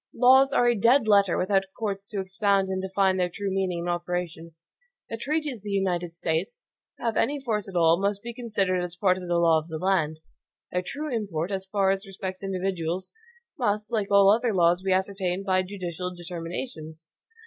Laws are a dead letter without courts to expound and define their true meaning and operation. The treaties of the United States, to have any force at all, must be considered as part of the law of the land. Their true import, as far as respects individuals, must, like all other laws, be ascertained by judicial determinations.